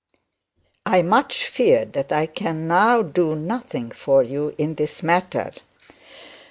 I much fear that I can now do nothing for you in this matter.'